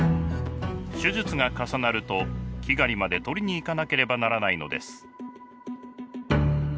手術が重なるとキガリまで取りに行かなければならないのです。